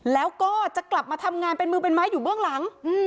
แล้วก็จะกลับมาทำงานเป็นมือเป็นไม้อยู่เบื้องหลัง